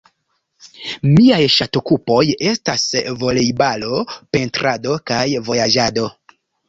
Miaj ŝatokupoj estas volejbalo, pentrado kaj vojaĝado.